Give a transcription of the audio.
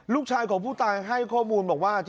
ลูกชายของผู้ตายให้ข้อมูลบอกว่า